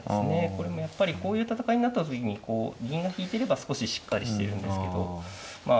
これもやっぱりこういう戦いになった時にこう銀が引いてれば少ししっかりしてるんですけどまあ